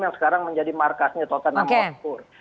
yang sekarang menjadi markasnya tottenham hotspur